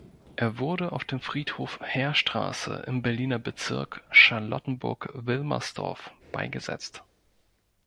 Er wurde auf dem Friedhof Heerstraße im Berliner Bezirk Charlottenburg-Wilmersdorf beigesetzt.